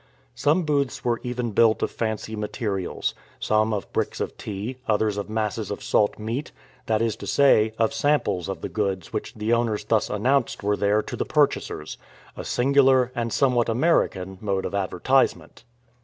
Some booths were even built of fancy materials, some of bricks of tea, others of masses of salt meat that is to say, of samples of the goods which the owners thus announced were there to the purchasers a singular, and somewhat American, mode of advertisement.